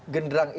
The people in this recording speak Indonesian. genderang isu itu